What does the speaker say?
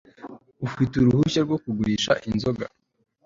ufite uruhushya rwo kugurisha inzoga